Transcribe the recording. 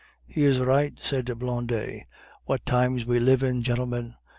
"He is right," said Blondet. "What times we live in, gentlemen!